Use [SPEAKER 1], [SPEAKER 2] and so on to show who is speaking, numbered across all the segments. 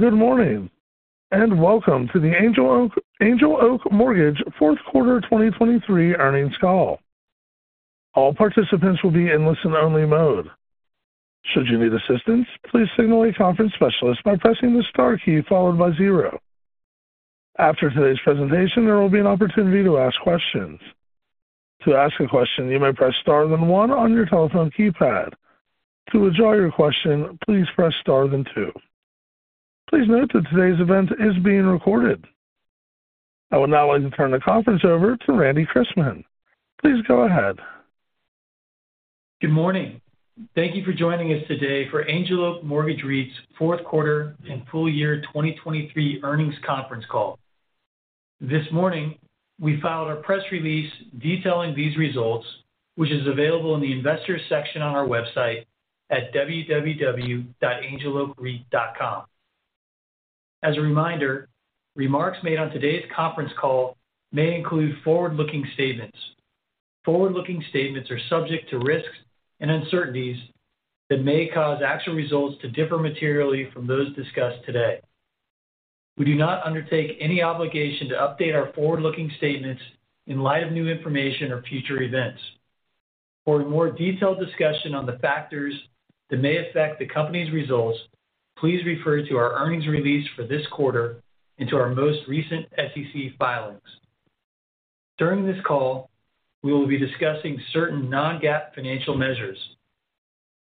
[SPEAKER 1] Good morning, and welcome to the Angel Oak Mortgage fourth quarter 2023 earnings call. All participants will be in listen-only mode. Should you need assistance, please signal a conference specialist by pressing the star key followed by 0. After today's presentation, there will be an opportunity to ask questions. To ask a question, you may press star then 1 on your telephone keypad. To withdraw your question, please press star then 2. Please note that today's event is being recorded. I would now like to turn the conference over to Randy Chrisman. Please go ahead.
[SPEAKER 2] Good morning. Thank you for joining us today for Angel Oak Mortgage REIT's fourth quarter and full year 2023 earnings conference call. This morning, we filed our press release detailing these results, which is available in the investors section on our website at www.angeloakreit.com. As a reminder, remarks made on today's conference call may include forward-looking statements. Forward-looking statements are subject to risks and uncertainties that may cause actual results to differ materially from those discussed today. We do not undertake any obligation to update our forward-looking statements in light of new information or future events. For a more detailed discussion on the factors that may affect the company's results, please refer to our earnings release for this quarter and to our most recent SEC filings. During this call, we will be discussing certain non-GAAP financial measures.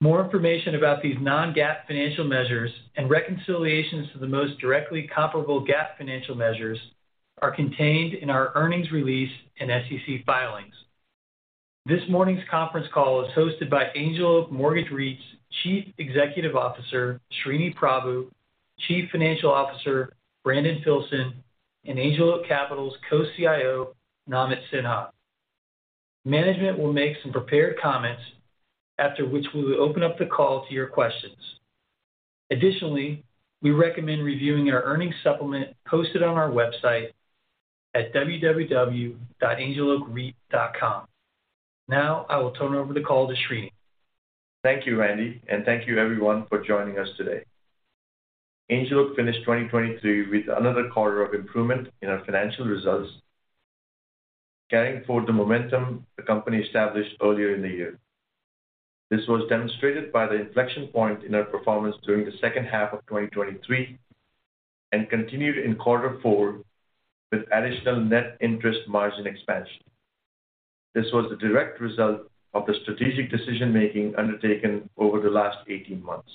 [SPEAKER 2] More information about these non-GAAP financial measures and reconciliations to the most directly comparable GAAP financial measures are contained in our earnings release and SEC filings. This morning's conference call is hosted by Angel Oak Mortgage REIT's Chief Executive Officer Sreeniwas Prabhu, Chief Financial Officer Brandon Filson, and Angel Oak Capital's Co-CIO Namit Sinha. Management will make some prepared comments, after which we will open up the call to your questions. Additionally, we recommend reviewing our earnings supplement posted on our website at www.angeloakreit.com. Now I will turn over the call to Sreeniwas.
[SPEAKER 3] Thank you, Randy, and thank you everyone for joining us today. Angel Oak finished 2023 with another quarter of improvement in our financial results, carrying forward the momentum the company established earlier in the year. This was demonstrated by the inflection point in our performance during the second half of 2023 and continued in quarter four with additional net interest margin expansion. This was the direct result of the strategic decision-making undertaken over the last 18 months.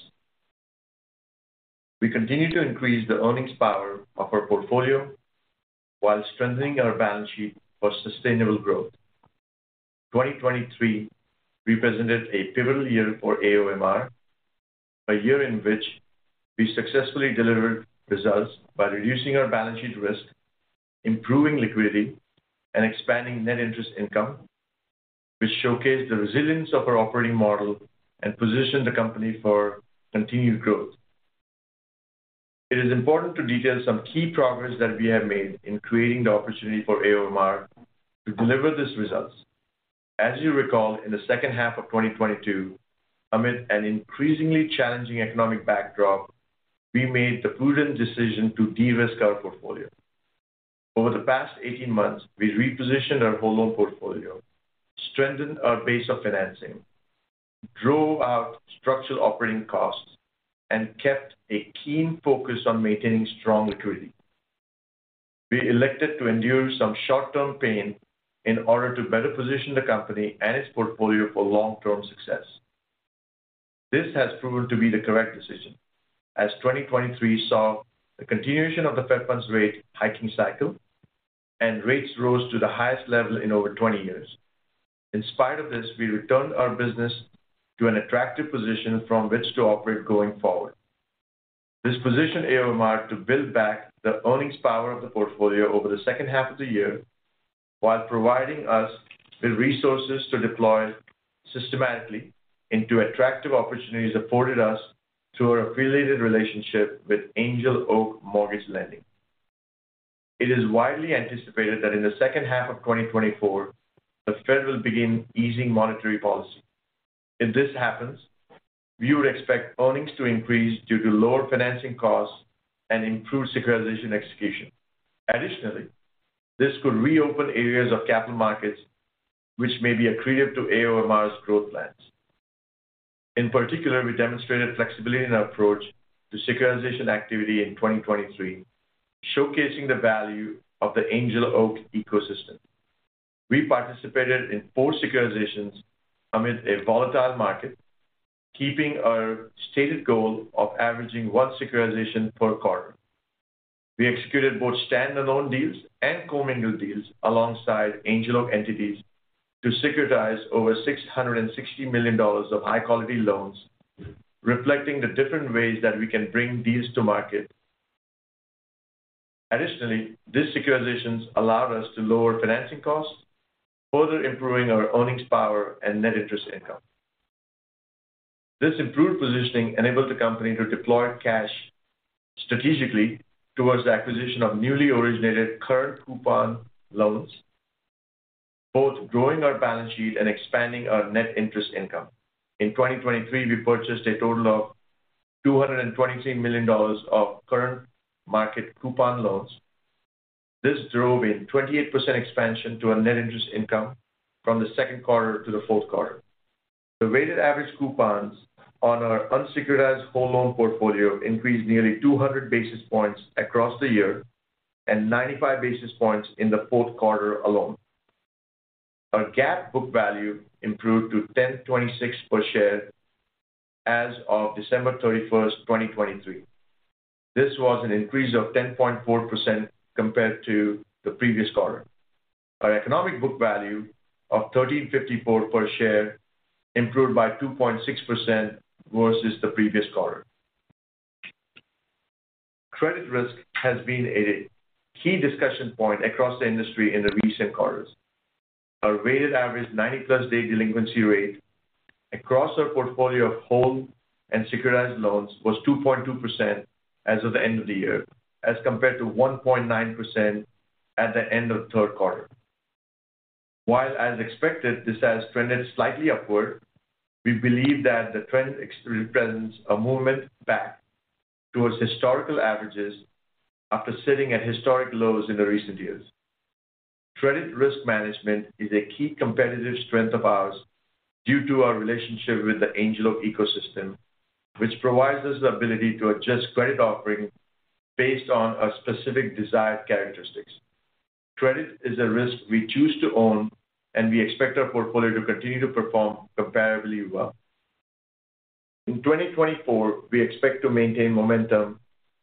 [SPEAKER 3] We continue to increase the earnings power of our portfolio while strengthening our balance sheet for sustainable growth. 2023 represented a pivotal year for AOMR, a year in which we successfully delivered results by reducing our balance sheet risk, improving liquidity, and expanding net interest income, which showcased the resilience of our operating model and positioned the company for continued growth. It is important to detail some key progress that we have made in creating the opportunity for AOMR to deliver these results. As you recall, in the second half of 2022, amid an increasingly challenging economic backdrop, we made the prudent decision to de-risk our portfolio. Over the past 18 months, we repositioned our whole-loan portfolio, strengthened our base of financing, drove out structural operating costs, and kept a keen focus on maintaining strong liquidity. We elected to endure some short-term pain in order to better position the company and its portfolio for long-term success. This has proven to be the correct decision, as 2023 saw the continuation of the Fed Funds rate hiking cycle and rates rose to the highest level in over 20 years. In spite of this, we returned our business to an attractive position from which to operate going forward. This positioned AOMR to build back the earnings power of the portfolio over the second half of the year while providing us with resources to deploy systematically into attractive opportunities afforded us through our affiliated relationship with Angel Oak Mortgage Lending. It is widely anticipated that in the second half of 2024, the Fed will begin easing monetary policy. If this happens, we would expect earnings to increase due to lower financing costs and improved securitization execution. Additionally, this could reopen areas of capital markets which may be accretive to AOMR's growth plans. In particular, we demonstrated flexibility in our approach to securitization activity in 2023, showcasing the value of the Angel Oak ecosystem. We participated in four securitizations amid a volatile market, keeping our stated goal of averaging one securitization per quarter. We executed both standalone deals and co-mingled deals alongside Angel Oak entities to securitize over $660 million of high-quality loans, reflecting the different ways that we can bring deals to market. Additionally, these securitizations allowed us to lower financing costs, further improving our earnings power and net interest income. This improved positioning enabled the company to deploy cash strategically towards the acquisition of newly originated current coupon loans, both growing our balance sheet and expanding our net interest income. In 2023, we purchased a total of $223 million of current market coupon loans. This drove a 28% expansion to our net interest income from the second quarter to the fourth quarter. The weighted average coupons on our unsecuritized whole-loan portfolio increased nearly 200 basis points across the year and 95 basis points in the fourth quarter alone. Our GAAP book value improved to $1,026 per share as of December 31st, 2023. This was an increase of 10.4% compared to the previous quarter. Our economic book value of $1,354 per share improved by 2.6% versus the previous quarter. Credit risk has been a key discussion point across the industry in the recent quarters. Our weighted average 90-plus day delinquency rate across our portfolio of whole and securitized loans was 2.2% as of the end of the year, as compared to 1.9% at the end of third quarter. While, as expected, this has trended slightly upward, we believe that the trend represents a movement back towards historical averages after sitting at historic lows in the recent years. Credit risk management is a key competitive strength of ours due to our relationship with the Angel Oak ecosystem, which provides us the ability to adjust credit offering based on our specific desired characteristics. Credit is a risk we choose to own, and we expect our portfolio to continue to perform comparably well. In 2024, we expect to maintain momentum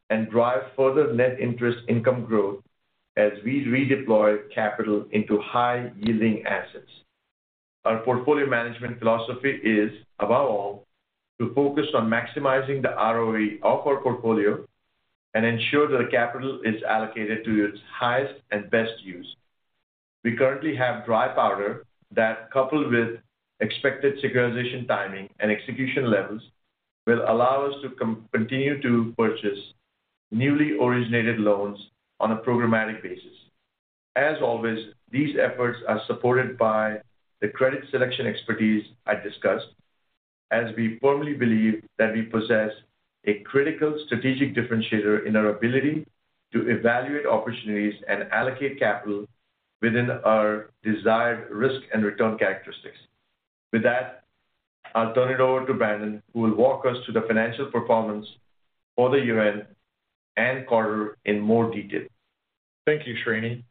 [SPEAKER 3] and drive further net interest income growth as we redeploy capital into high-yielding assets. Our portfolio management philosophy is, above all, to focus on maximizing the ROE of our portfolio and ensure that the capital is allocated to its highest and best use. We currently have dry powder that, coupled with expected securitization timing and execution levels, will allow us to continue to purchase newly originated loans on a programmatic basis. As always, these efforts are supported by the credit selection expertise I discussed, as we firmly believe that we possess a critical strategic differentiator in our ability to evaluate opportunities and allocate capital within our desired risk and return characteristics. With that, I'll turn it over to Brandon, who will walk us through the financial performance for the year-end and quarter in more detail.
[SPEAKER 4] Thank you, Sreeniwas.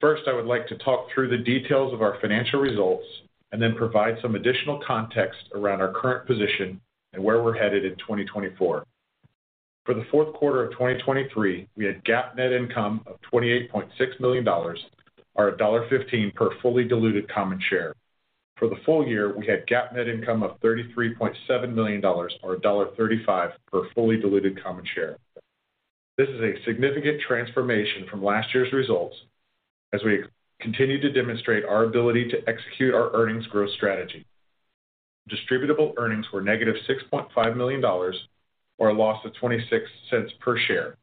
[SPEAKER 4] First, I would like to talk through the details of our financial results and then provide some additional context around our current position and where we're headed in 2024. For the fourth quarter of 2023, we had GAAP net income of $28.6 million, or $1.15 per fully diluted common share. For the full year, we had GAAP net income of $33.7 million, or $1.35 per fully diluted common share. This is a significant transformation from last year's results as we continue to demonstrate our ability to execute our earnings growth strategy. Distributable earnings were negative $6.5 million, or a loss of $0.26 per share.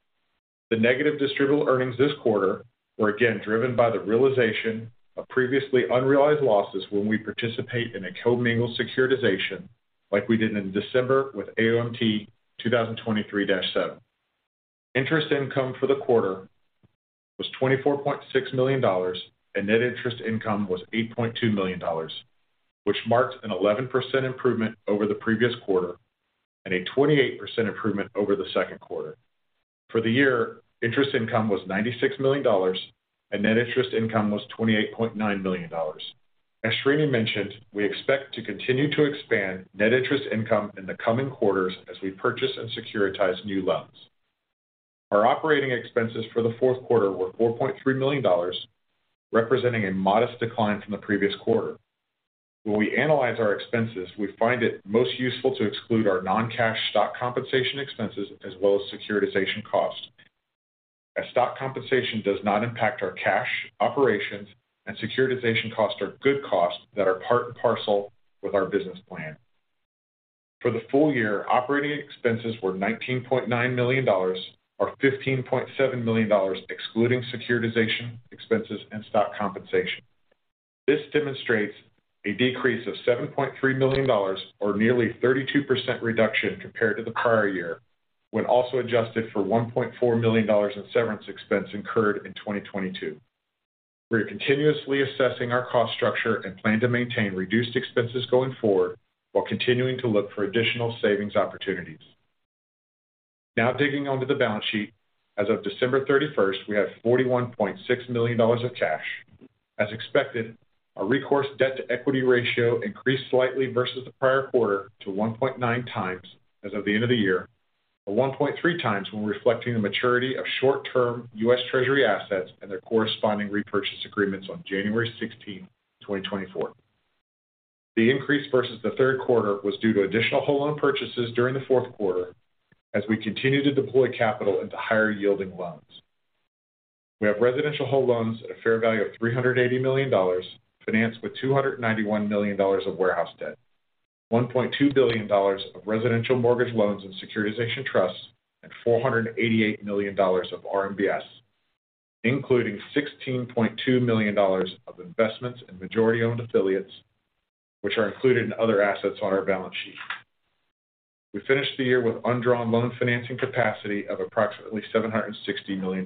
[SPEAKER 4] The negative distributable earnings this quarter were, again, driven by the realization of previously unrealized losses when we participate in a co-mingled securitization like we did in December with AOMT 2023-7. Interest income for the quarter was $24.6 million, and net interest income was $8.2 million, which marked an 11% improvement over the previous quarter and a 28% improvement over the second quarter. For the year, interest income was $96 million, and net interest income was $28.9 million. As Sreeniwas mentioned, we expect to continue to expand net interest income in the coming quarters as we purchase and securitize new loans. Our operating expenses for the fourth quarter were $4.3 million, representing a modest decline from the previous quarter. When we analyze our expenses, we find it most useful to exclude our non-cash stock compensation expenses as well as securitization costs. As stock compensation does not impact our cash, operations, and securitization costs are good costs that are part and parcel with our business plan. For the full year, operating expenses were $19.9 million, or $15.7 million excluding securitization expenses and stock compensation. This demonstrates a decrease of $7.3 million, or nearly 32% reduction compared to the prior year when also adjusted for $1.4 million in severance expense incurred in 2022. We are continuously assessing our cost structure and plan to maintain reduced expenses going forward while continuing to look for additional savings opportunities. Now digging into the balance sheet, as of December 31st, we have $41.6 million of cash. As expected, our recourse debt-to-equity ratio increased slightly versus the prior quarter to 1.9 times as of the end of the year, or 1.3 times when reflecting the maturity of short-term U.S. Treasury assets and their corresponding repurchase agreements on January 16th, 2024. The increase versus the third quarter was due to additional whole-loan purchases during the fourth quarter as we continue to deploy capital into higher-yielding loans. We have residential whole loans at a fair value of $380 million, financed with $291 million of warehouse debt, $1.2 billion of residential mortgage loans and securitization trusts, and $488 million of RMBS, including $16.2 million of investments in majority-owned affiliates, which are included in other assets on our balance sheet. We finished the year with undrawn loan financing capacity of approximately $760 million.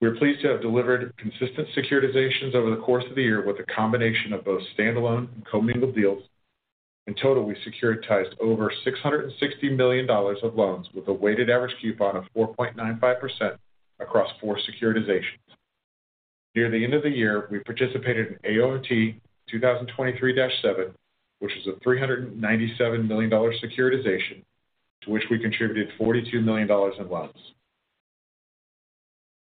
[SPEAKER 4] We are pleased to have delivered consistent securitizations over the course of the year with a combination of both standalone and co-mingled deals. In total, we securitized over $660 million of loans with a weighted average coupon of 4.95% across four securitizations. Near the end of the year, we participated in AOMT 2023-7, which was a $397 million securitization to which we contributed $42 million in loans.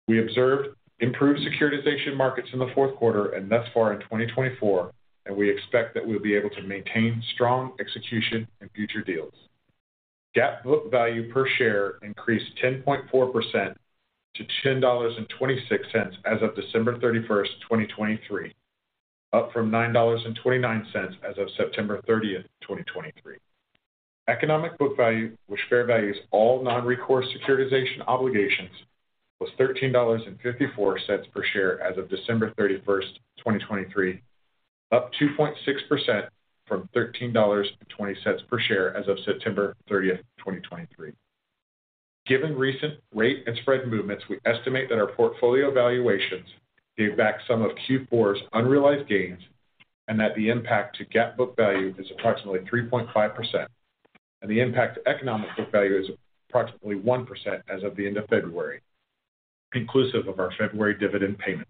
[SPEAKER 4] We observed improved securitization markets in the fourth quarter and thus far in 2024, and we expect that we'll be able to maintain strong execution in future deals. GAAP book value per share increased 10.4% to $10.26 as of December 31st, 2023, up from $9.29 as of September 30th, 2023. Economic book value, which fair values all non-recourse securitization obligations, was $13.54 per share as of December 31st, 2023, up 2.6% from $13.20 per share as of September 30th, 2023. Given recent rate and spread movements, we estimate that our portfolio valuations gave back some of Q4's unrealized gains and that the impact to GAAP book value is approximately 3.5%, and the impact to Economic Book Value is approximately 1% as of the end of February, inclusive of our February dividend payment.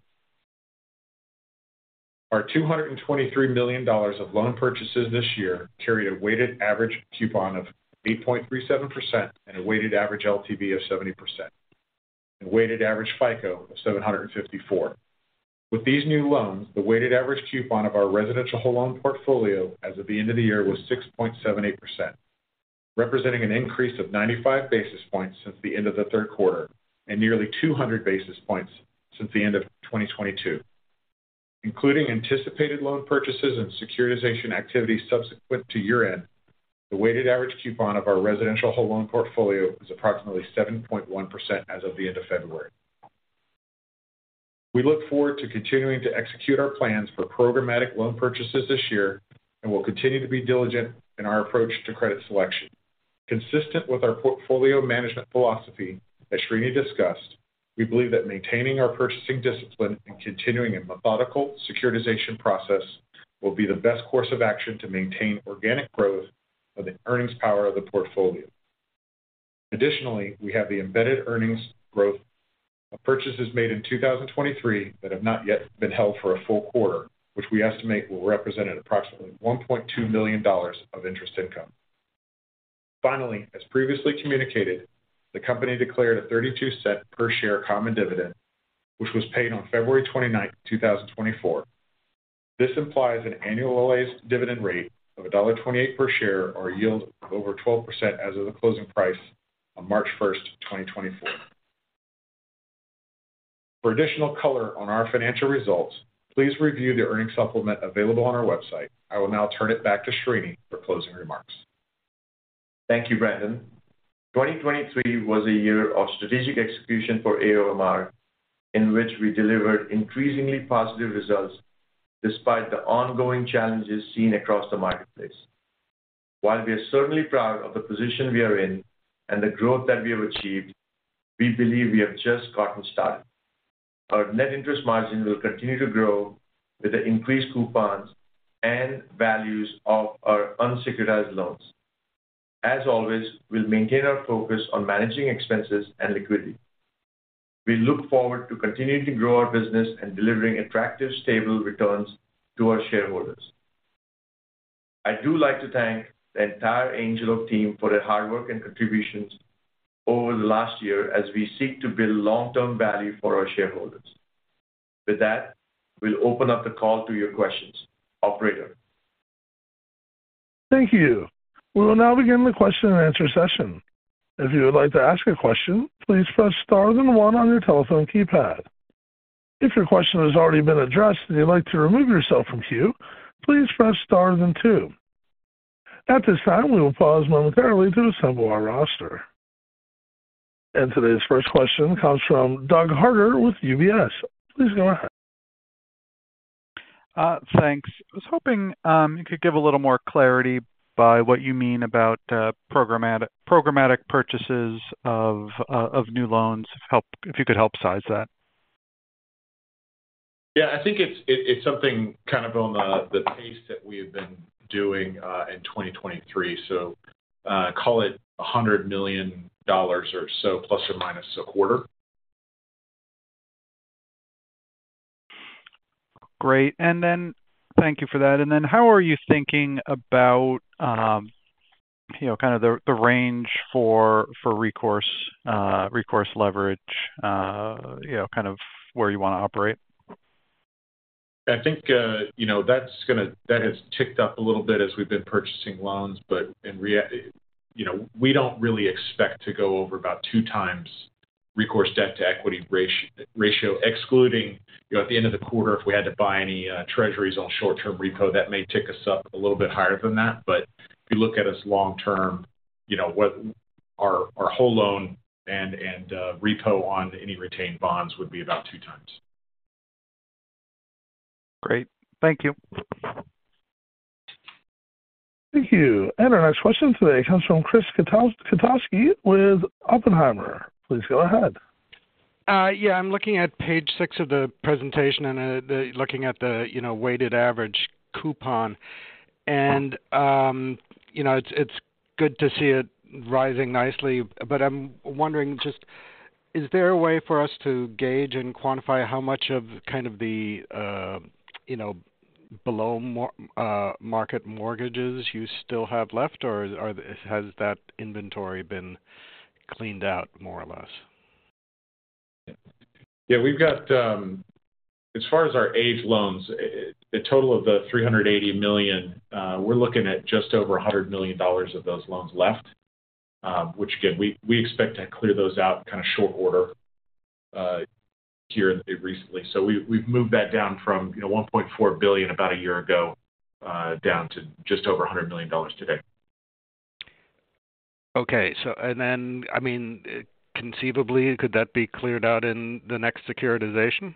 [SPEAKER 4] Our $223 million of loan purchases this year carried a weighted average coupon of 8.37% and a weighted average LTV of 70%, and weighted average FICO of 754. With these new loans, the weighted average coupon of our residential whole-loan portfolio as of the end of the year was 6.78%, representing an increase of 95 basis points since the end of the third quarter and nearly 200 basis points since the end of 2022. Including anticipated loan purchases and securitization activities subsequent to year-end, the weighted average coupon of our residential whole-loan portfolio is approximately 7.1% as of the end of February. We look forward to continuing to execute our plans for programmatic loan purchases this year and will continue to be diligent in our approach to credit selection. Consistent with our portfolio management philosophy, as Sreeniwas discussed, we believe that maintaining our purchasing discipline and continuing a methodical securitization process will be the best course of action to maintain organic growth of the earnings power of the portfolio. Additionally, we have the embedded earnings growth of purchases made in 2023 that have not yet been held for a full quarter, which we estimate will represent approximately $1.2 million of interest income. Finally, as previously communicated, the company declared a $0.32 per share common dividend, which was paid on February 29th, 2024. This implies an annual AOMR's dividend rate of $1.28 per share, or a yield of over 12% as of the closing price on March 1st, 2024. For additional color on our financial results, please review the earnings supplement available on our website. I will now turn it back to Sreeniwas for closing remarks.
[SPEAKER 3] Thank you, Brandon. 2023 was a year of strategic execution for AOMR in which we delivered increasingly positive results despite the ongoing challenges seen across the marketplace. While we are certainly proud of the position we are in and the growth that we have achieved, we believe we have just gotten started. Our net interest margin will continue to grow with the increased coupons and values of our unsecuritized loans. As always, we'll maintain our focus on managing expenses and liquidity. We look forward to continuing to grow our business and delivering attractive, stable returns to our shareholders. I do like to thank the entire Angel Oak team for their hard work and contributions over the last year as we seek to build long-term value for our shareholders. With that, we'll open up the call to your questions. Operator.
[SPEAKER 1] Thank you. We will now begin the question and answer session. If you would like to ask a question, please press star then one on your telephone keypad. If your question has already been addressed and you'd like to remove yourself from queue, please press star then two. At this time, we will pause momentarily to assemble our roster. Today's first question comes from Doug Harter with UBS. Please go ahead.
[SPEAKER 5] Thanks. I was hoping you could give a little more clarity by what you mean about programmatic purchases of new loans, if you could help size that.
[SPEAKER 4] Yeah. I think it's something kind of on the pace that we have been doing in 2023. So call it $100 million or so, plus or minus a quarter.
[SPEAKER 5] Great. Thank you for that. How are you thinking about kind of the range for recourse leverage, kind of where you want to operate?
[SPEAKER 4] I think that has ticked up a little bit as we've been purchasing loans, but we don't really expect to go over about 2x recourse debt-to-equity ratio. Excluding at the end of the quarter, if we had to buy any treasuries on short-term repo, that may tick us up a little bit higher than that. But if you look at us long-term, our whole loan and repo on any retained bonds would be about 2x.
[SPEAKER 5] Great. Thank you.
[SPEAKER 1] Thank you. Our next question today comes from Chris Kotowski with Oppenheimer. Please go ahead.
[SPEAKER 6] Yeah. I'm looking at page 6 of the presentation and looking at the weighted average coupon. And it's good to see it rising nicely. But I'm wondering just, is there a way for us to gauge and quantify how much of kind of the below-market mortgages you still have left, or has that inventory been cleaned out more or less?
[SPEAKER 4] Yeah. As far as our aged loans, the total of the $380 million, we're looking at just over $100 million of those loans left, which, again, we expect to clear those out in short order here recently. So we've moved that down from $1.4 billion about a year ago down to just over $100 million today.
[SPEAKER 6] Okay. And then, I mean, conceivably, could that be cleared out in the next securitization?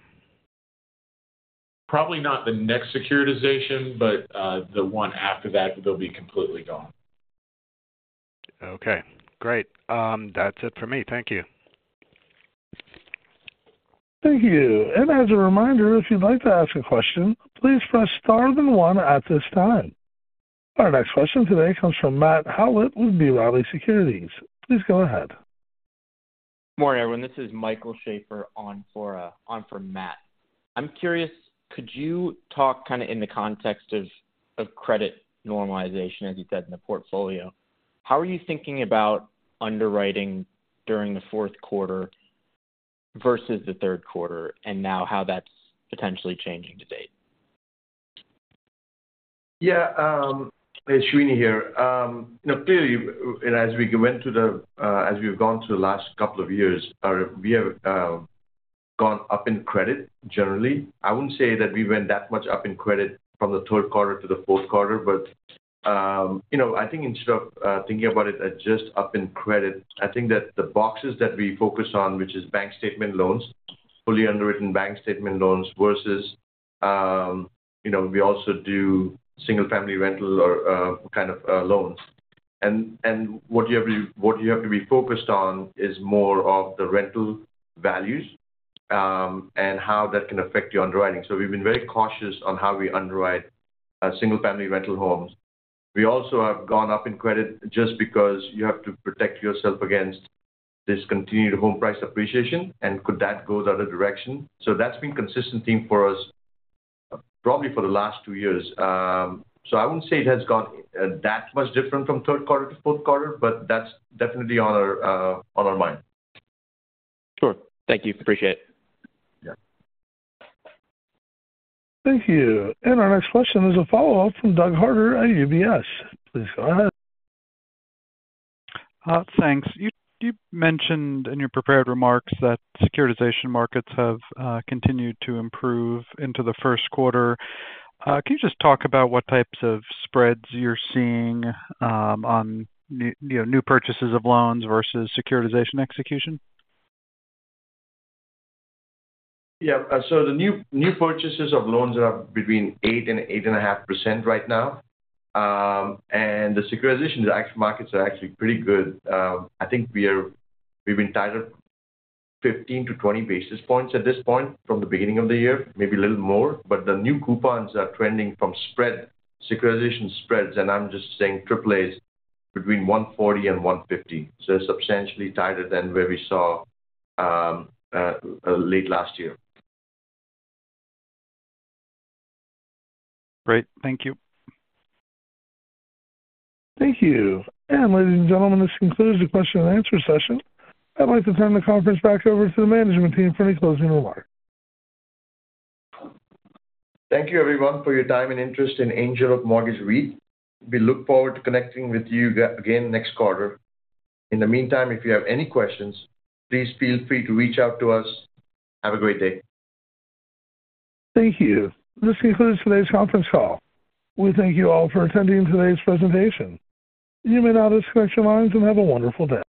[SPEAKER 4] Probably not the next securitization, but the one after that, they'll be completely gone.
[SPEAKER 6] Okay. Great. That's it for me. Thank you.
[SPEAKER 1] Thank you. As a reminder, if you'd like to ask a question, please press star then one at this time. Our next question today comes from Matt Howlett with B. Riley Securities. Please go ahead.
[SPEAKER 7] Morning, everyone. This is Michael Schaefer on for Matt. I'm curious, could you talk kind of in the context of credit normalization, as you said, in the portfolio, how are you thinking about underwriting during the fourth quarter versus the third quarter and now how that's potentially changing to date?
[SPEAKER 3] Yeah. It's Sreeniwas here. Clearly, as we've gone through the last couple of years, we have gone up in credit, generally. I wouldn't say that we went that much up in credit from the third quarter to the fourth quarter, but I think instead of thinking about it as just up in credit, I think that the boxes that we focus on, which is bank statement loans, fully underwritten bank statement loans versus we also do single-family rental kind of loans. And what you have to be focused on is more of the rental values and how that can affect your underwriting. So we've been very cautious on how we underwrite single-family rental homes. We also have gone up in credit just because you have to protect yourself against this continued home price appreciation, and could that go the other direction? So that's been a consistent theme for us, probably for the last two years. So I wouldn't say it has gone that much different from third quarter to fourth quarter, but that's definitely on our mind.
[SPEAKER 7] Sure. Thank you. Appreciate it.
[SPEAKER 3] Yeah.
[SPEAKER 1] Thank you. And our next question is a follow-up from Doug Harter at UBS. Please go ahead.
[SPEAKER 5] Thanks. You mentioned in your prepared remarks that securitization markets have continued to improve into the first quarter. Can you just talk about what types of spreads you're seeing on new purchases of loans versus securitization execution?
[SPEAKER 3] Yeah. So the new purchases of loans are between 8% and 8.5% right now. And the securitization markets are actually pretty good. I think we've been tighter 15-20 basis points at this point from the beginning of the year, maybe a little more. But the new coupons are trending from securitization spreads, and I'm just saying AAAs, between 140 and 150. So it's substantially tighter than where we saw late last year.
[SPEAKER 5] Great. Thank you.
[SPEAKER 1] Thank you. Ladies and gentlemen, this concludes the question and answer session. I'd like to turn the conference back over to the management team for any closing remarks.
[SPEAKER 3] Thank you, everyone, for your time and interest in Angel Oak Mortgage REIT. We look forward to connecting with you again next quarter. In the meantime, if you have any questions, please feel free to reach out to us. Have a great day.
[SPEAKER 1] Thank you. This concludes today's conference call. We thank you all for attending today's presentation. You may now disconnect your lines and have a wonderful day.